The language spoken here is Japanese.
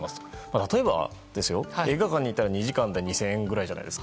例えば、映画館に行ったら２時間で２０００円くらいじゃないですか。